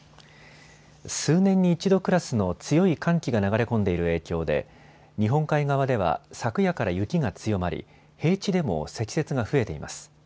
数年に一度クラスの強い寒気が流れ込んでいる影響で日本海側では昨夜から雪が強まり平地でも積雪が増えています。